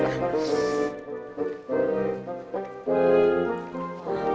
baik banget raden